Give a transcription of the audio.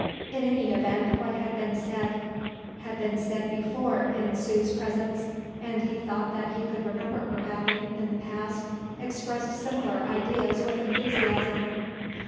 In any event what had been said had been said before in Sue's presence and he thought that he could remember her having, in the past, expressed similar ideas with enthusiasm.